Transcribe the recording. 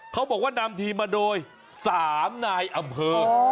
เขาบอกว่านำทีมมาโดย๓นายอำเภอ